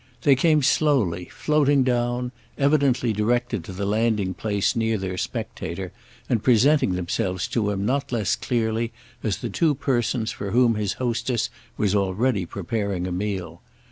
They came slowly, floating down, evidently directed to the landing place near their spectator and presenting themselves to him not less clearly as the two persons for whom his hostess was already preparing a meal.